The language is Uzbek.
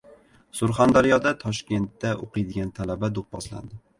Surxondaryoda Toshkentda o‘qiydigan talaba do‘pposlandi